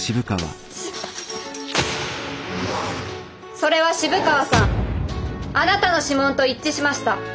それは渋川さんあなたの指紋と一致しました。